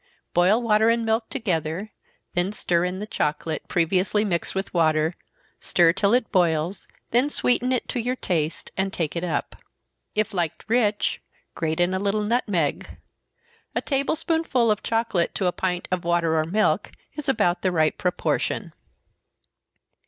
Boil water and milk together, then stir in the chocolate, previously mixed with water stir it till it boils, then sweeten it to your taste, and take it up. If liked rich, grate in a little nutmeg. A table spoonful of chocolate to a pint of water or milk, is about the right proportion.